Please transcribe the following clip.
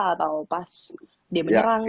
atau pas dia menyerangnya